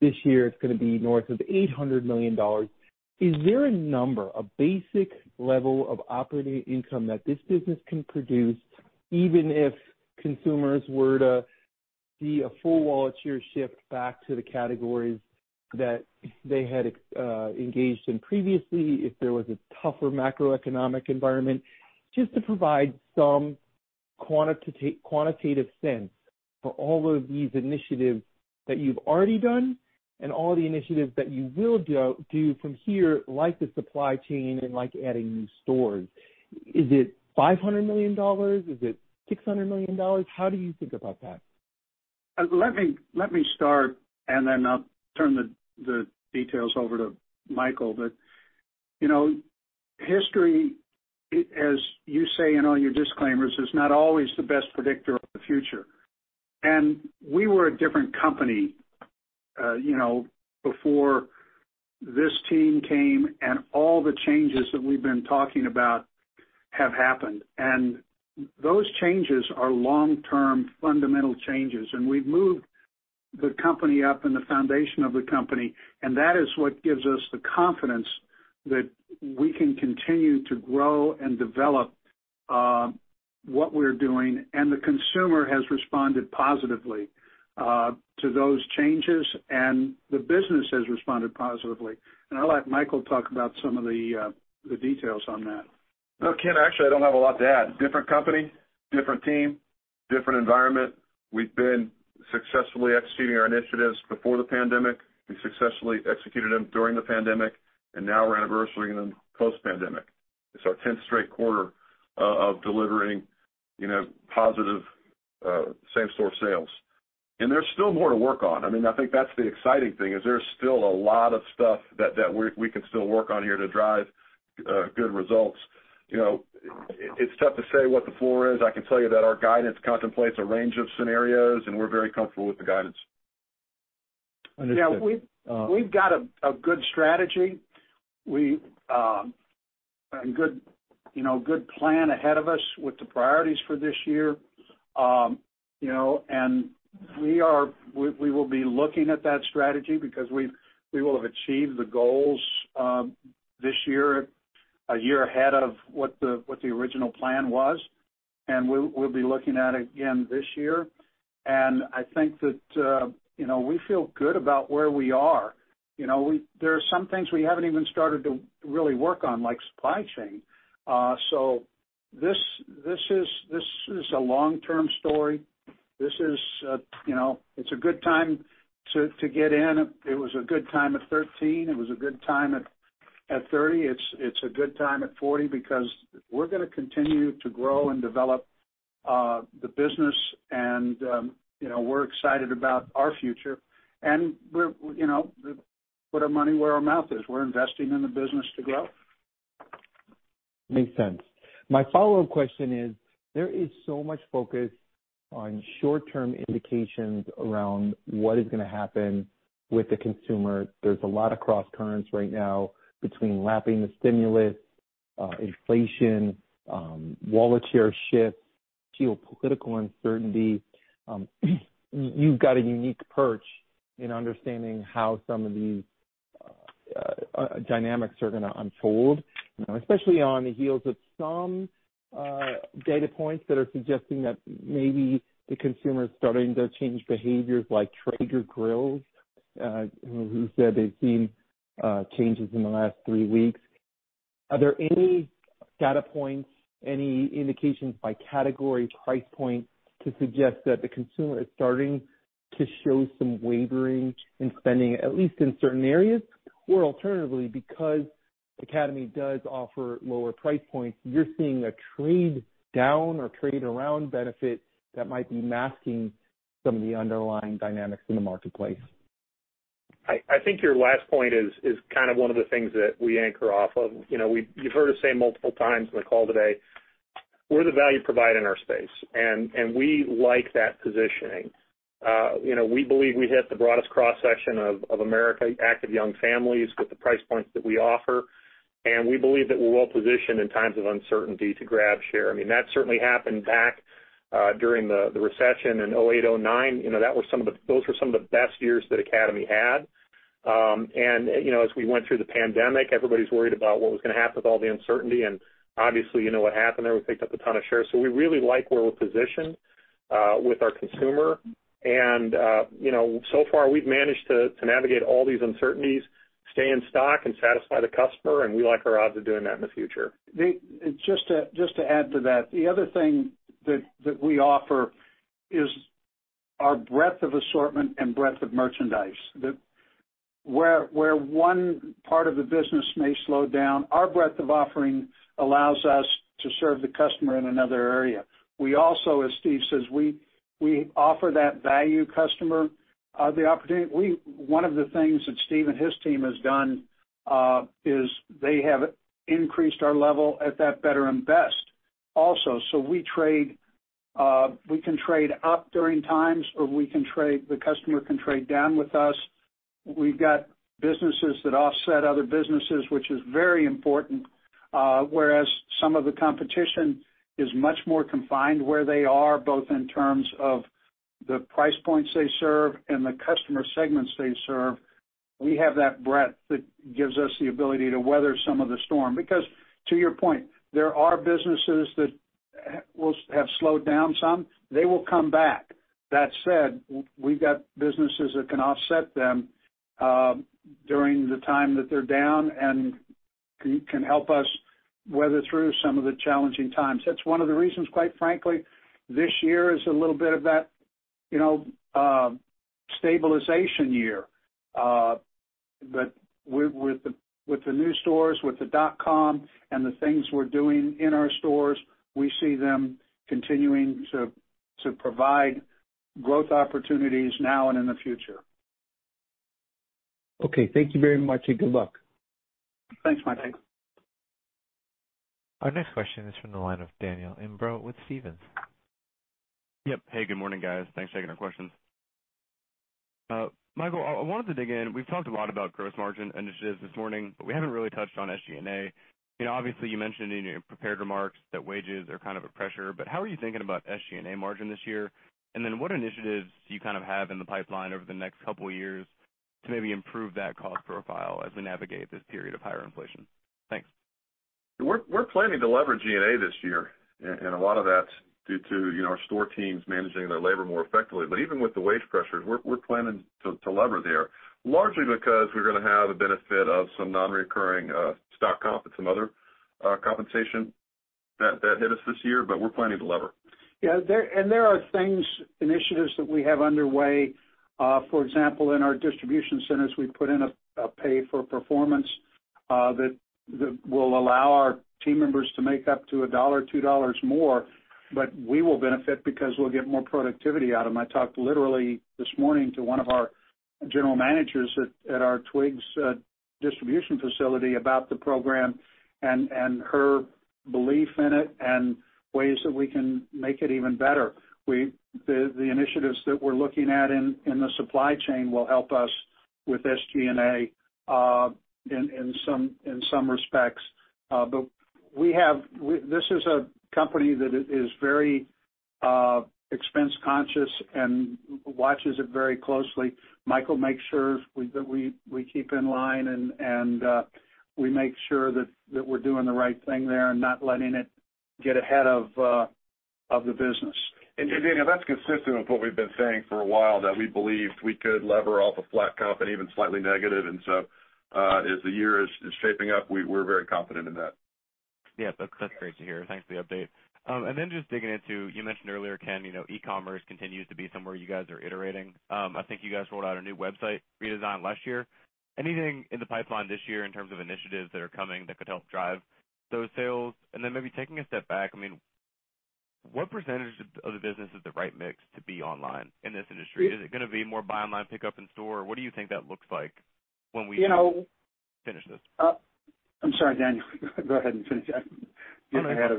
This year, it's gonna be north of $800 million. Is there a number, a basic level of operating income that this business can produce, even if consumers were to see a full wallet share shift back to the categories that they had engaged in previously, if there was a tougher macroeconomic environment, just to provide some quantitative sense for all of these initiatives that you've already done and all the initiatives that you will do from here, like the supply chain and like adding new stores. Is it $500 million? Is it $600 million? How do you think about that? Let me start, and then I'll turn the details over to Michael. You know, history, as you say in all your disclaimers, is not always the best predictor of the future. We were a different company, you know, before this team came and all the changes that we've been talking about have happened. Those changes are long-term fundamental changes, and we've moved the company up and the foundation of the company, and that is what gives us the confidence that we can continue to grow and develop what we're doing. The consumer has responded positively to those changes, and the business has responded positively. I'll let Michael talk about some of the details on that. No, Ken, actually, I don't have a lot to add. Different company, different team, different environment. We've been successfully executing our initiatives before the pandemic. We successfully executed them during the pandemic, and now we're anniversary-ing them post-pandemic. It's our 10th straight quarter of delivering, you know, positive same-store sales. There's still more to work on. I mean, I think that's the exciting thing, is there's still a lot of stuff that we can still work on here to drive good results. You know, it's tough to say what the floor is. I can tell you that our guidance contemplates a range of scenarios, and we're very comfortable with the guidance. Yeah, we've Understood. We've got a good strategy. We have a good plan ahead of us with the priorities for this year. You know, we will be looking at that strategy because we will have achieved the goals this year, a year ahead of what the original plan was. We'll be looking at it again this year. I think that you know, we feel good about where we are. You know, there are some things we haven't even started to really work on, like supply chain. This is a long-term story. This is you know, it's a good time to get in. It was a good time at 13, it was a good time at 30. It's a good time at forty because we're gonna continue to grow and develop the business and, you know, we're excited about our future and we're, you know, we put our money where our mouth is. We're investing in the business to grow. Makes sense. My follow-up question is, there is so much focus on short-term indications around what is gonna happen with the consumer. There's a lot of crosscurrents right now between lapping the stimulus, inflation, wallet share shifts, geopolitical uncertainty. You've got a unique perch in understanding how some of these dynamics are gonna unfold, you know, especially on the heels of some data points that are suggesting that maybe the consumer is starting to change behaviors like Trader Joe's, who said they've seen changes in the last three weeks. Are there any data points, any indications by category, price point to suggest that the consumer is starting to show some wavering in spending, at least in certain areas? Because Academy does offer lower price points, you're seeing a trade down or trade around benefit that might be masking some of the underlying dynamics in the marketplace. I think your last point is kind of one of the things that we anchor off of. You know, you've heard us say multiple times in the call today, we're the value provider in our space, and we like that positioning. You know, we believe we hit the broadest cross-section of American active young families with the price points that we offer. We believe that we're well positioned in times of uncertainty to grab share. I mean, that certainly happened back during the recession in 2008, 2009. You know, those were some of the best years that Academy had. You know, as we went through the pandemic, everybody's worried about what was gonna happen with all the uncertainty. Obviously, you know what happened there. We picked up a ton of shares. We really like where we're positioned with our consumer. You know, so far we've managed to navigate all these uncertainties, stay in stock and satisfy the customer, and we like our odds of doing that in the future. Just to add to that, the other thing that we offer is our breadth of assortment and breadth of merchandise. Where one part of the business may slow down, our breadth of offering allows us to serve the customer in another area. We also, as Steve says, we offer that value customer the opportunity. One of the things that Steve and his team has done is they have increased our level at that better end also. We can trade up during times, or we can trade, the customer can trade down with us. We've got businesses that offset other businesses, which is very important, whereas some of the competition is much more confined where they are, both in terms of the price points they serve and the customer segments they serve. We have that breadth that gives us the ability to weather some of the storm. Because to your point, there are businesses that have slowed down some. They will come back. That said, we've got businesses that can offset them during the time that they're down and can help us weather through some of the challenging times. That's one of the reasons, quite frankly, this year is a little bit of that, you know, stabilization year. With the new stores, with the dot-com and the things we're doing in our stores, we see them continuing to provide growth opportunities now and in the future. Okay. Thank you very much, and good luck. Thanks, Mike. Our next question is from the line of Daniel Imbro with Stephens. Yep. Hey, good morning, guys. Thanks for taking our questions. Michael, I wanted to dig in. We've talked a lot about gross margin initiatives this morning, but we haven't really touched on SG&A. You know, obviously, you mentioned in your prepared remarks that wages are kind of a pressure, but how are you thinking about SG&A margin this year? What initiatives do you kind of have in the pipeline over the next couple of years to maybe improve that cost profile as we navigate this period of higher inflation? Thanks. We're planning to lever G&A this year, and a lot of that's due to, you know, our store teams managing their labor more effectively. Even with the wage pressures, we're planning to lever there, largely because we're gonna have the benefit of some non-recurring stock comp and some other compensation that hit us this year, but we're planning to lever. There are things, initiatives that we have underway. For example, in our distribution centers, we put in a pay for performance that will allow our team members to make up to $1, $2 more, but we will benefit because we'll get more productivity out of them. I talked literally this morning to one of our general managers at our Twiggs distribution facility about the program and her belief in it and ways that we can make it even better. The initiatives that we're looking at in the supply chain will help us with SG&A in some respects. This is a company that is very expense conscious and watches it very closely. Michael makes sure that we keep in line and we make sure that we're doing the right thing there and not letting it get ahead of the business. Daniel, that's consistent with what we've been saying for a while, that we believed we could leverage off a flat comp and even slightly negative. As the year is shaping up, we're very confident in that. Yeah. That's great to hear. Thanks for the update. Just digging into, you mentioned earlier, Ken, you know, e-commerce continues to be somewhere you guys are iterating. I think you guys rolled out a new website redesign last year. Anything in the pipeline this year in terms of initiatives that are coming that could help drive those sales? Maybe taking a step back, I mean, what percentage of the business is the right mix to be online in this industry? Is it gonna be more buy online, pickup in store? What do you think that looks like when we- You know. Finish this. I'm sorry, Daniel. Go ahead and finish. No, go ahead.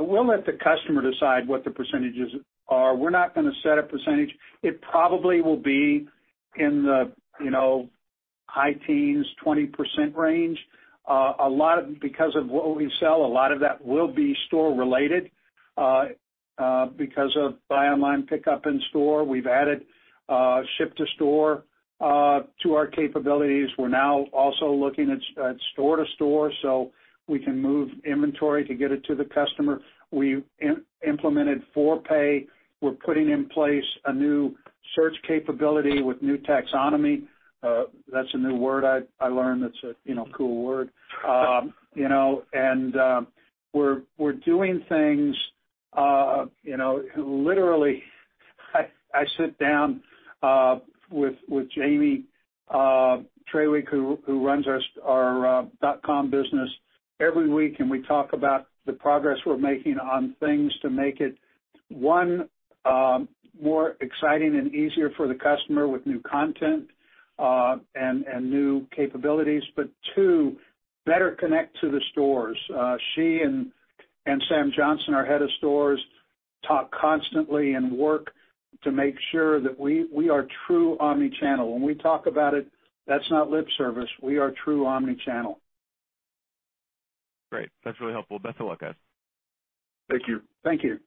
We'll let the customer decide what the percentages are. We're not gonna set a percentage. It probably will be in the, you know, high teens-20% range. Because of what we sell, a lot of that will be store related, because of buy online, pickup in store. We've added ship to store to our capabilities. We're now also looking at store to store, so we can move inventory to get it to the customer. We implemented Afterpay. We're putting in place a new search capability with new taxonomy. That's a new word I learned that's a, you know, cool word. You know, we're doing things, you know, literally I sit down with Jamee Traywick, who runs our dot-com business every week, and we talk about the progress we're making on things to make it, one, more exciting and easier for the customer with new content and new capabilities, but two, better connect to the stores. She and Sam Johnson, our head of stores, talk constantly and work to make sure that we are true omni-channel. When we talk about it, that's not lip service. We are true omni-channel. Great. That's really helpful. Best of luck, guys. Thank you. Thank you.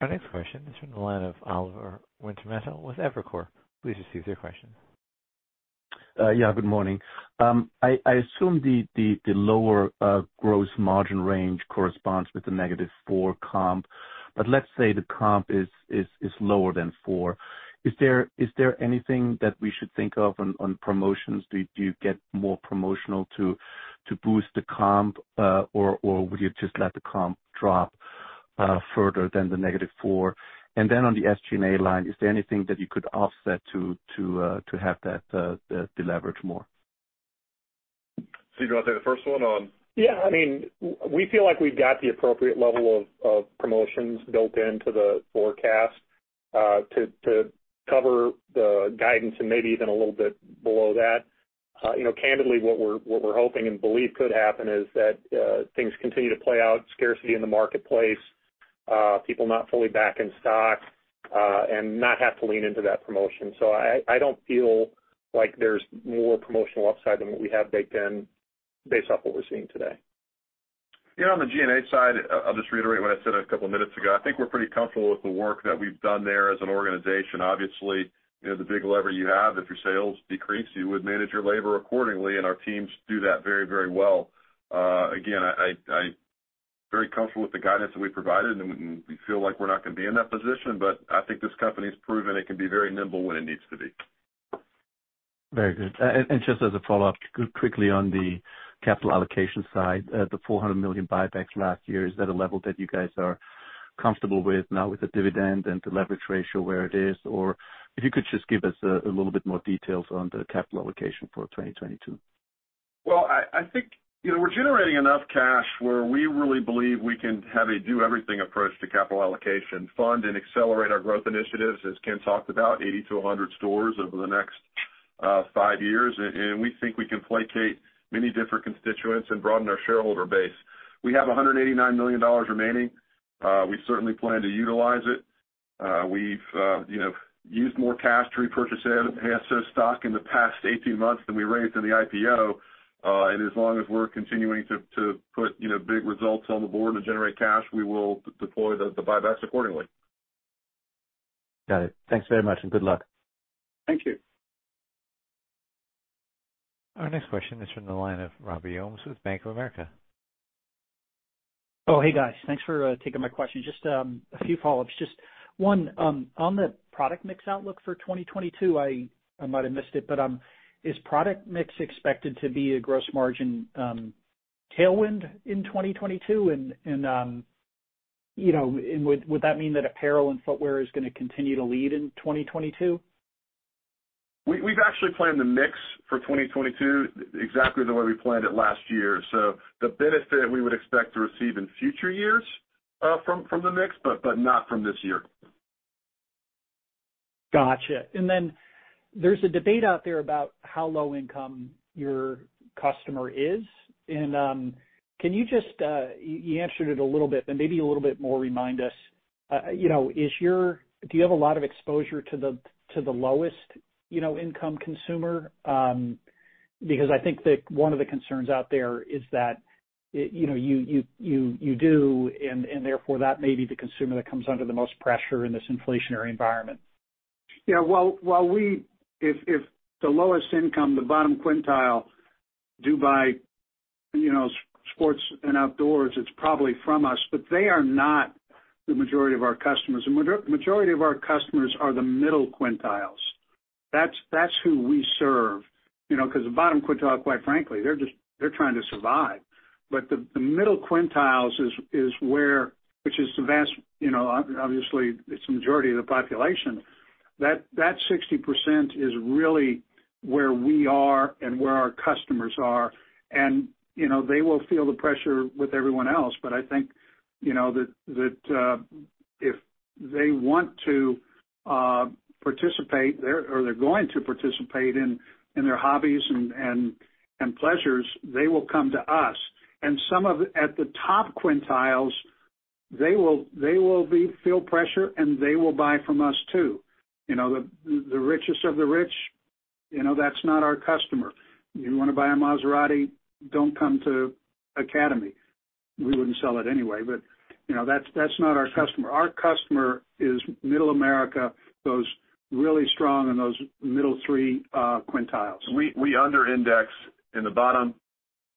Our next question is from the line of Oliver Wintermantel with Evercore. Please proceed with your question. Yeah, good morning. I assume the lower gross margin range corresponds with the -4% comp. Let's say the comp is lower than 4%. Is there anything that we should think of on promotions? Do you get more promotional to boost the comp, or would you just let the comp drop further than the -4%? On the SG&A line, is there anything that you could offset to have that deleverage more? Steve, you wanna take the first one on? Yeah. I mean, we feel like we've got the appropriate level of promotions built into the forecast to cover the guidance and maybe even a little bit below that. You know, candidly, what we're hoping and believe could happen is that things continue to play out, scarcity in the marketplace, people not fully back in stock, and not have to lean into that promotion. I don't feel like there's more promotional upside than what we have baked in based off what we're seeing today. You know, on the G&A side, I'll just reiterate what I said a couple minutes ago. I think we're pretty comfortable with the work that we've done there as an organization. Obviously, you know, the big lever you have, if your sales decrease, you would manage your labor accordingly, and our teams do that very, very well. Again, I very comfortable with the guidance that we provided, and we feel like we're not gonna be in that position, but I think this company's proven it can be very nimble when it needs to be. Very good. Just as a follow-up, quickly on the capital allocation side, the $400 million buybacks last year, is that a level that you guys are comfortable with now with the dividend and the leverage ratio where it is? Or if you could just give us a little bit more details on the capital allocation for 2022. Well, I think, you know, we're generating enough cash where we really believe we can have a do everything approach to capital allocation, fund and accelerate our growth initiatives, as Ken talked about, 80-100 stores over the next 5 years. We think we can allocate many different constituents and broaden our shareholder base. We have $189 million remaining. We certainly plan to utilize it. We've, you know, used more cash to repurchase ASO stock in the past 18 months than we raised in the IPO. As long as we're continuing to put, you know, big results on the board to generate cash, we will deploy the buybacks accordingly. Got it. Thanks very much, and good luck. Thank you. Our next question is from the line of Robert Ohmes with Bank of America. Oh, hey, guys. Thanks for taking my question. Just a few follow-ups. Just one on the product mix outlook for 2022. I might have missed it, but is product mix expected to be a gross margin tailwind in 2022? You know, would that mean that apparel and footwear is gonna continue to lead in 2022? We've actually planned the mix for 2022 exactly the way we planned it last year. The benefit we would expect to receive in future years from the mix, but not from this year. Gotcha. There's a debate out there about how low income your customer is. Can you just you answered it a little bit, but maybe a little bit more remind us you know do you have a lot of exposure to the lowest you know income consumer? Because I think that one of the concerns out there is that you know you do and therefore that may be the consumer that comes under the most pressure in this inflationary environment. Yeah. If the lowest income, the bottom quintile do buy, you know, sports and outdoors, it's probably from us, but they are not the majority of our customers. The majority of our customers are the middle quintiles. That's who we serve, you know, 'cause the bottom quintile, quite frankly, they're trying to survive. The middle quintiles is where, which is the vast, you know, obviously, it's the majority of the population. That 60% is really where we are and where our customers are. You know, they will feel the pressure with everyone else. I think, you know, that if they want to participate there, or they're going to participate in their hobbies and pleasures, they will come to us. Some of... At the top quintiles, they will feel pressure, and they will buy from us too. You know, the richest of the rich, you know, that's not our customer. You wanna buy a Maserati, don't come to Academy. We wouldn't sell it anyway, but, you know, that's not our customer. Our customer is middle America, those really strong in those middle three quintiles. We under-index in the bottom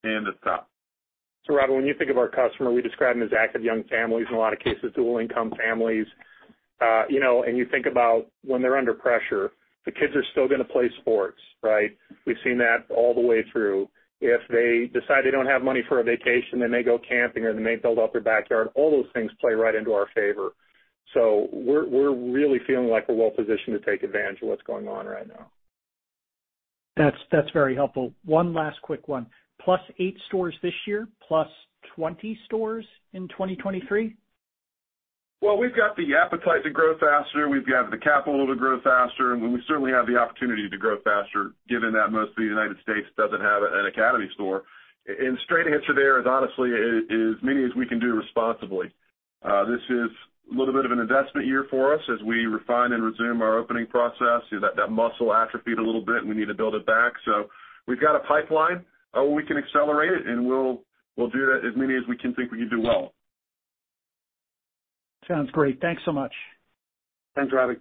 and the top. Robbie, when you think of our customer, we describe them as active young families, in a lot of cases, dual income families. You know, and you think about when they're under pressure, the kids are still gonna play sports, right? We've seen that all the way through. If they decide they don't have money for a vacation, they may go camping or they may build up their backyard. All those things play right into our favor. We're really feeling like we're well-positioned to take advantage of what's going on right now. That's very helpful. One last quick one. Plus 8 stores this year, plus 20 stores in 2023? Well, we've got the appetite to grow faster. We've got the capital to grow faster, and we certainly have the opportunity to grow faster, given that most of the United States doesn't have an Academy store. Straight answer there is honestly, is as many as we can do responsibly. This is a little bit of an investment year for us as we refine and resume our opening process. You know, that muscle atrophied a little bit, and we need to build it back. We've got a pipeline. We can accelerate it, and we'll do that as many as we can think we can do well. Sounds great. Thanks so much. Thanks, Robbie.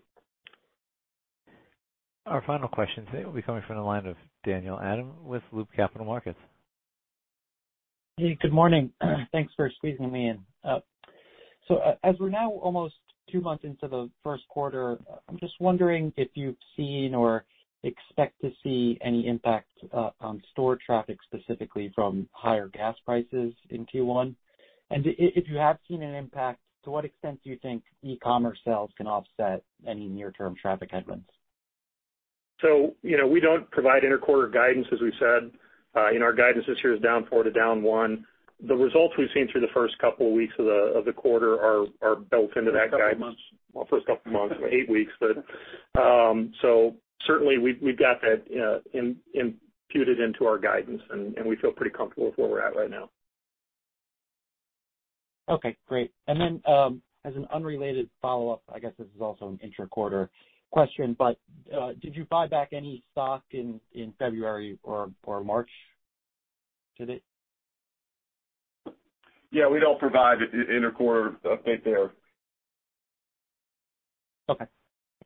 Our final question today will be coming from the line of Daniel Adam with Loop Capital Markets. Hey, good morning. Thanks for squeezing me in. So as we're now almost 2 months into the 1st quarter, I'm just wondering if you've seen or expect to see any impact on store traffic, specifically from higher gas prices in Q1. If you have seen an impact, to what extent do you think e-commerce sales can offset any near-term traffic headwinds? You know, we don't provide intra-quarter guidance, as we've said. Our guidance this year is down 4% to down 1%. The results we've seen through the first couple of weeks of the quarter are built into that guidance. First couple months. Well, first couple months, 8 weeks. Certainly we've got that imputed into our guidance, and we feel pretty comfortable with where we're at right now. Okay, great. As an unrelated follow-up, I guess this is also an intra-quarter question, but did you buy back any stock in February or March to date? Yeah, we don't provide intra-quarter update there. Okay.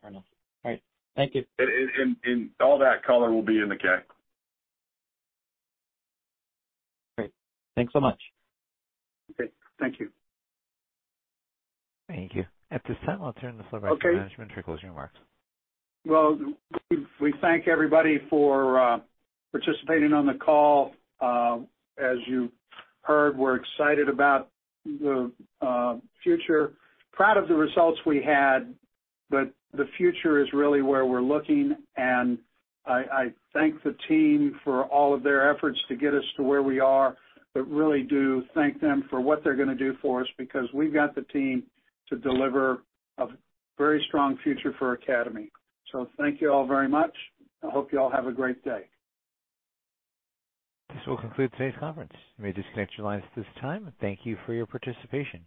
Fair enough. All right. Thank you. All that color will be in the K. Great. Thanks so much. Okay, thank you. Thank you. At this time, I'll turn this over to management for closing remarks. Well, we thank everybody for participating on the call. As you heard, we're excited about the future. Proud of the results we had, but the future is really where we're looking, and I thank the team for all of their efforts to get us to where we are, but really do thank them for what they're gonna do for us, because we've got the team to deliver a very strong future for Academy. Thank you all very much. I hope you all have a great day. This will conclude today's conference. You may disconnect your lines at this time. Thank you for your participation.